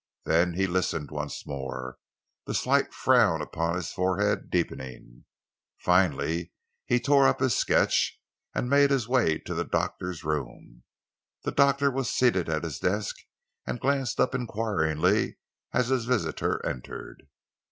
Then he listened once more, the slight frown upon his forehead deepening. Finally he tore up his sketch and made his way to the doctor's room. The doctor was seated at his desk and glanced up enquiringly as his visitor entered.